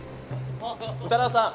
宇多田さん。